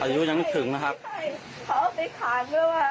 อยู่ยังถึงนะครับเขาไปขางด้วยว่ะ